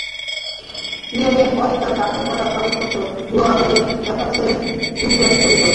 নিয়োগের পরই তাঁর দাখিল করা কাগজপত্র ভুয়া বলে ক্যাম্পাসে গুঞ্জন ছড়িয়ে পড়ে।